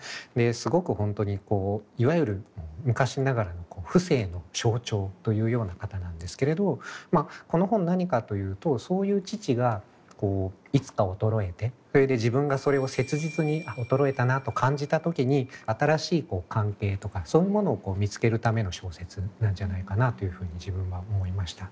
すごく本当にいわゆる昔ながらの父性の象徴というような方なんですけれどこの本何かと言うとそういう父がいつか衰えてそれで自分がそれを切実に衰えたなと感じた時に新しい関係とかそういうものを見つけるための小説なんじゃないかなというふうに自分は思いました。